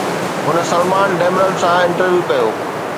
هن سلمان ڊيمرل سان انٽرويو ڪيو.